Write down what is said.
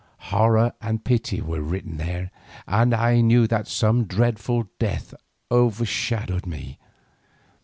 Horror and pity were written there, and I knew that some dreadful death overshadowed me.